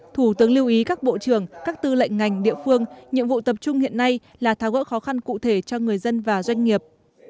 thủ tướng lưu ý các bộ trưởng các tư lệnh ngành địa phương nhiệm vụ tập trung hiện nay là tháo gỡ khó khăn cụ thể cho người dân và doanh nghiệp